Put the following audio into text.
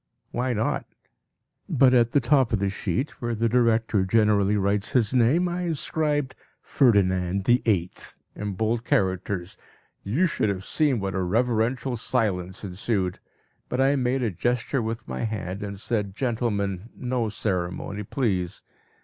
Why not? But at the top of the sheet, where the director generally writes his name, I inscribed "Ferdinand¬ÝVIII." in bold characters. You should have seen what a reverential silence ensued. But I made a gesture with my hand, and said, "Gentlemen, no ceremony please!"